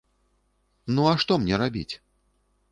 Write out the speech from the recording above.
Ну, а што мне рабіць?